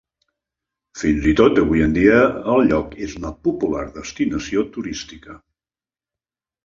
Fins i tot avui en dia el lloc és una popular destinació turística.